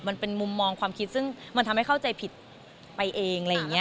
มุมมองความคิดซึ่งมันทำให้เข้าใจผิดไปเองอะไรอย่างนี้